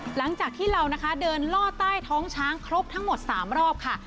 หลังจากที่เรานะคะเดินล่อใต้ท้องช้างครบทั้งหมด๓รอบค่ะ